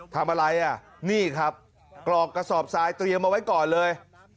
ทำอะไรอ่ะนี่ครับกรอกกระสอบทรายเตรียมเอาไว้ก่อนเลย